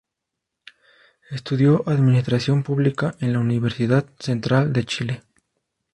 Estudió administración pública de la Universidad Central de Chile.